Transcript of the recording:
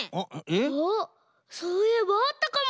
あっそういえばあったかも。